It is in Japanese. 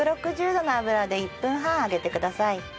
１６０度の油で１分半揚げてください。